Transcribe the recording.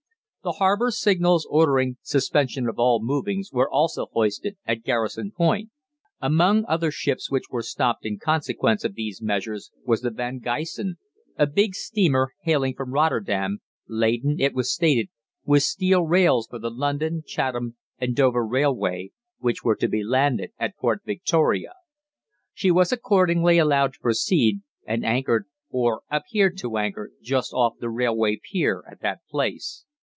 The harbour signals ordering 'suspension of all movings' were also hoisted at Garrison Point. "Among other ships which were stopped in consequence of these measures was the 'Van Gysen,' a big steamer hailing from Rotterdam, laden, it was stated, with steel rails for the London, Chatham, and Dover Railway, which were to be landed at Port Victoria. She was accordingly allowed to proceed, and anchored, or appeared to anchor, just off the railway pier at that place.